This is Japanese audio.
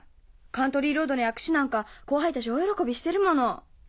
『カントリー・ロード』の訳詞なんか後輩たち大喜びしてるもの。